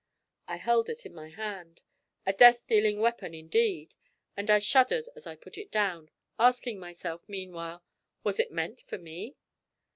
I held it in my hand. A death dealing weapon indeed, and I shuddered as I put it down, asking myself meanwhile, 'Was it meant for me?'